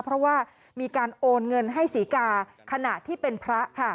เพราะว่ามีการโอนเงินให้ศรีกาขณะที่เป็นพระค่ะ